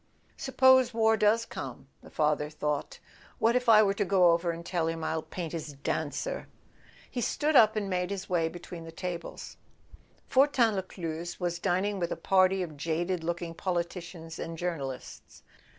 "Suppose war does come," the father thought, "what if I were to go over and tell him I'll paint his dancer?" He stood up and made his way between the tables. Fortin Lescluze was dining with a party of jaded looking politicians and journalists.